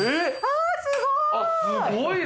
あすごい！